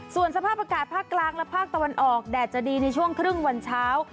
ส่วนสภาพอากาศภาคกลางและภาคตะวันออกแดดจะดีในช่วงครึ่งวันเช้า